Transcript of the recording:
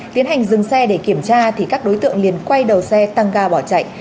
tiến hành dừng xe để kiểm tra thì các đối tượng liền quay đầu xe tăng ga bỏ chạy